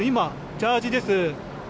ジャージーです。